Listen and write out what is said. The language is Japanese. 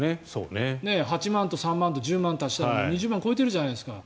８万と３万と１０万を足したら２０万超えてるじゃないですか。